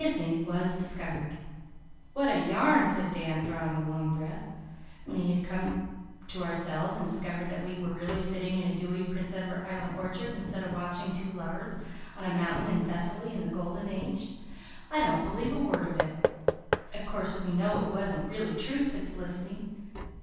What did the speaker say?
Kissing was discovered! "What a yarn!" said Dan, drawing a long breath, when we had come to ourselves and discovered that we were really sitting in a dewy Prince Edward Island orchard instead of watching two lovers on a mountain in Thessaly in the Golden Age. "I don't believe a word of it." "Of course, we know it wasn't really true," said Felicity.